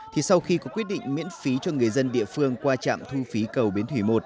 thì sau khi có quyết định miễn phí cho người dân địa phương qua trạm thu phí cầu bến thủy một